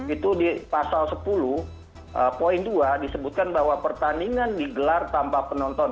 itu di pasal sepuluh poin dua disebutkan bahwa pertandingan digelar tanpa penonton